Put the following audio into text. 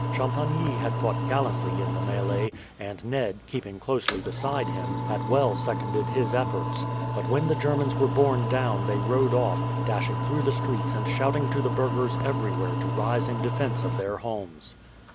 Champagny had fought gallantly in the melee, and Ned, keeping closely beside him, had well seconded his efforts; but when the Germans were borne down they rode off, dashing through the streets and shouting to the burghers everywhere to rise in defence of their homes.